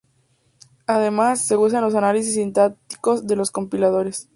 Además, se usa en los análisis sintácticos de los compiladores.